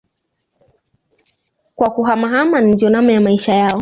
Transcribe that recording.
kwa kuhamahama na ndio namna ya Maisha yao